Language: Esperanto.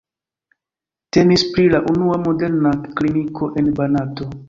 Temis pri la unua modernak kliniko en Banato.